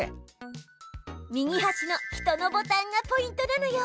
右はしの人のボタンがポイントなのよ。